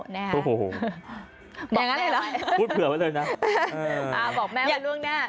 บอกแม่เหรอคะพูดเผื่อว่ะเลยนะอ้าวบอกแม่ว่าเรื่องหน้า